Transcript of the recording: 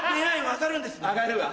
上がるわ。